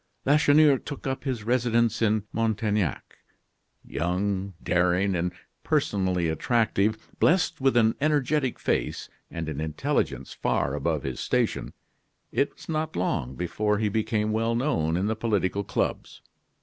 Lacheneur took up his residence in Montaignac. Young, daring, and personally attractive, blessed with an energetic face, and an intelligence far above his station, it was not long before he became well known in the political clubs.